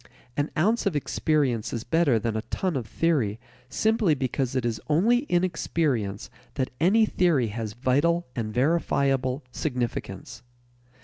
An ounce of experience is better than a ton of theory simply because it is only in experience that any theory has vital and verifiable significance.